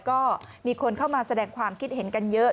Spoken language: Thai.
ก็มีคนเข้ามาแสดงความคิดเห็นกันเยอะ